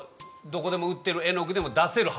「どこでも売ってる絵の具で出せる」。